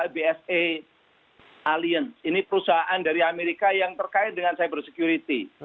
bsa alian ini perusahaan dari amerika yang terkait dengan cyber security